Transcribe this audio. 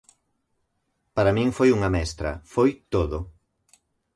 Para min foi unha mestra, foi todo.